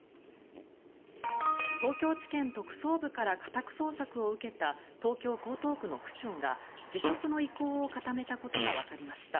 東京地検特捜部から家宅捜索を受けた東京・江東区の区長が辞職の意向を固めたことがわかりました。